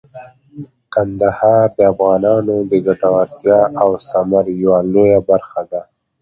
کندهار د افغانانو د ګټورتیا او ثمر یوه لویه برخه ده.